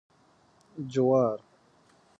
🌽 جوار